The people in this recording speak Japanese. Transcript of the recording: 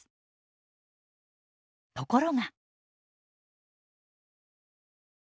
ところが。